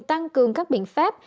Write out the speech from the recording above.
tăng cường các biện pháp